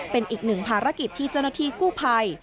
เป็นอีกหนึ่งภารกิจที่เจ้าหน้าที่กู้ภัย